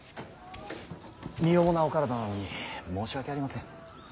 身重なお体なのに申し訳ありません。